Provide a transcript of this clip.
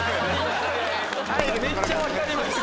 めっちゃ分かりました。